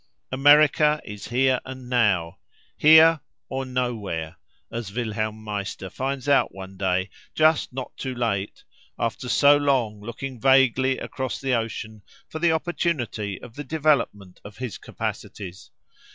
America is here and now—here, or nowhere: as Wilhelm Meister finds out one day, just not too late, after so long looking vaguely across the ocean for the opportunity of the development of his capacities.